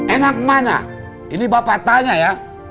enak mana ini bapak tanya ya